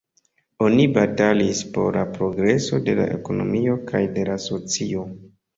Oni batalis por la progreso de la ekonomio kaj de la socio.